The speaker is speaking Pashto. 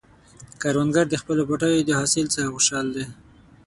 کروندګر د خپلو پټیو د حاصل څخه خوشحال دی